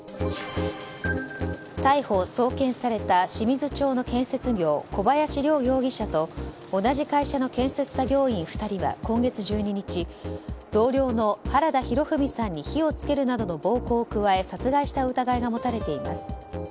逮捕・送検された清水町の建設業小林涼容疑者と同じ会社の建設作業員２人は今月１２日同僚の原田裕史さんに火を付けるなどの暴行を加え殺害した疑いが持たれています。